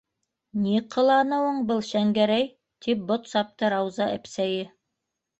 Ни ҡыланыуың был, Шәңгәрәй?! - тип бот сапты Рауза әпсәйе.